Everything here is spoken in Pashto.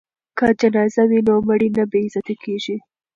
که جنازه وي نو مړی نه بې عزته کیږي.